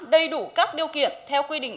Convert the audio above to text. đầy đủ các điều kiện theo quy định